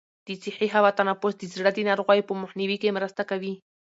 د صحي هوا تنفس د زړه د ناروغیو په مخنیوي کې مرسته کوي.